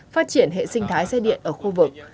phát triển hệ sinh thái xe điện ở khu vực